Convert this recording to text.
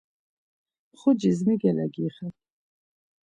Mxucis mi gelegixen?